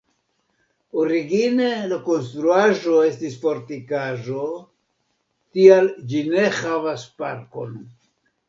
Origine la konstruaĵo estis fortikaĵo, tial ĝi ne havas parkon.